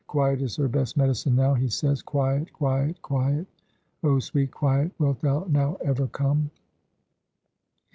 Quiet is her best medicine now, he says. Quiet, quiet, quiet! Oh, sweet quiet, wilt thou now ever come?"